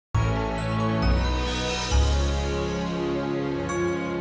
oh jadi lo berdua